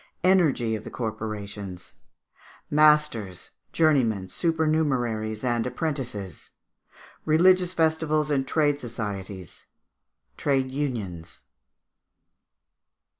Energy of the Corporations. Masters, Journeymen, Supernumeraries, and Apprentices. Religious Festivals and Trade Societies. Trade Unions.